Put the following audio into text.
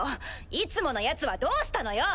いつものやつはどうしたのよ？